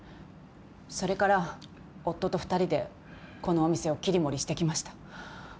それから夫と２人でこのお店を切り盛りしてきました。